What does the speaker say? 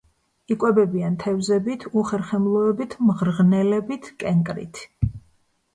იკვებებიან თევზებით, უხერხემლოებით, მღრღნელებით, კენკრით.